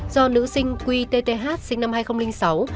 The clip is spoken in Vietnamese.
do nữ sinh quy tth sinh năm hai nghìn sáu